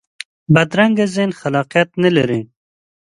بدرنګه ذهن خلاقیت نه لري